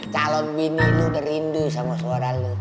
calon bini lu udah rindu sama suara lo